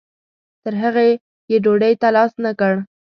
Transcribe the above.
تر هغې یې ډوډۍ ته لاس نه کړ.